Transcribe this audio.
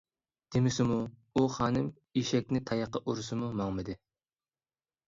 دېمىسىمۇ ئۇ خانىم ئېشەكنى تاياقتا ئۇرسىمۇ ماڭمىدى، .